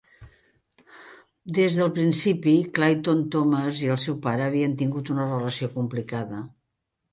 Des del principi, Clayton-Thomas i el seu pare havien tingut una relació complicada.